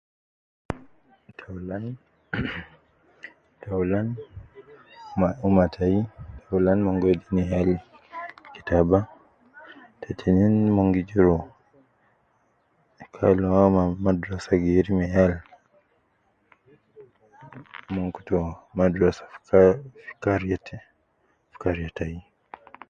Taulan mh mh,taulan, ma umma tai ,taulan mon gi wedi ne yal kitaba, te tinin mon gi juru kalwa me madrasa geri me yal, mon kutu ma madrasa fi ka fi kariya tai